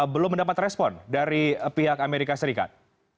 belum mendapat respon dari pihak amerika serikat